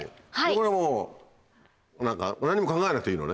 これもう何も考えなくていいのね。